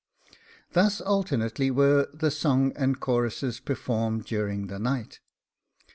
Thus alternately were the song and choruses performed during the night.